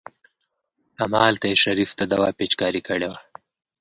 همالته يې شريف ته دوا پېچکاري کړې وه.